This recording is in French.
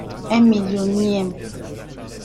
Un millionième.